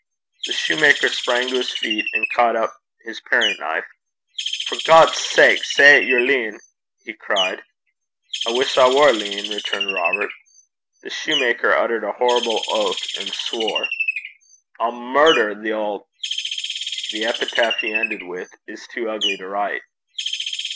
The shoemaker sprang to his feet and caught up his paring knife. 'For God's sake, say 'at yer leein'!' he cried. 'I wish I war leein',' returned Robert. The soutar uttered a terrible oath, and swore 'I'll murder the auld .' The epithet he ended with is too ugly to write.